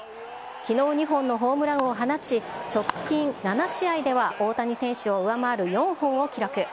きのう２本のホームランを放ち、直近７試合では大谷選手を上回る４本を記録。